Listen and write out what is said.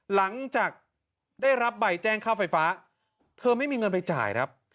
หลังจากได้รับใบแจ้งค่าไฟฟ้าเธอไม่มีเงินไปจ่ายครับ